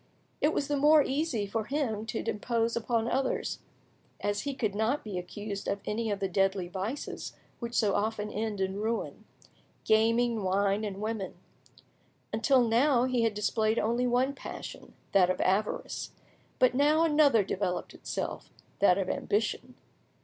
It was the more easy for him to impose on others, as he could not be accused of any of the deadly vices which so often end in ruin—gaming, wine, and women. Until now he had displayed only one passion, that of avarice, but now another developed itself, that of ambition.